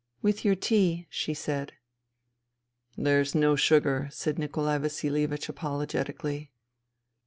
" With your tea," she said. " There is no sugar," said Nikolai Vasilievich apologetically.